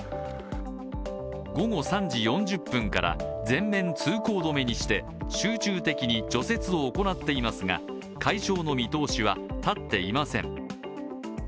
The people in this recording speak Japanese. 午後３時４０分から全面通行止めにして集中的に除雪を行っていますが、解消の見通しは立っていません。